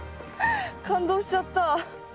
感動しちゃった。